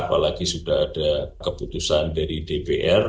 apalagi sudah ada keputusan dari dpr